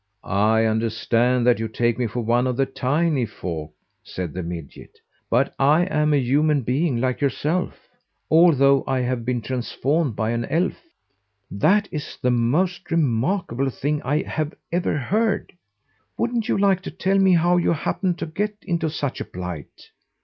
"I understand that you take me for one of the tiny folk," said the midget, "but I'm a human being, like yourself, although I have been transformed by an elf." "That is the most remarkable thing I have ever heard! Wouldn't you like to tell me how you happened to get into such a plight?"